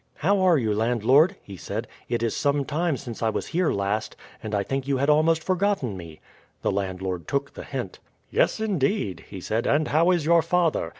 "How are you, landlord?" he said. "It is some time since I was here last, and I think you had almost forgotten me." The landlord took the hint. "Yes, indeed," he said. "And how is your father?